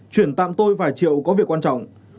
chuyển tạm tôi vài triệu có việc quan trọng